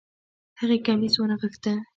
هغې کميس ونغښتۀ